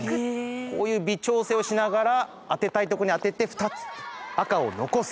「こういう微調整をしながら当てたいところに当てて２つ赤を残す」